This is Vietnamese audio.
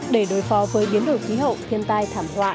để đối phó với biến đổi khí hậu thiên tai thảm họa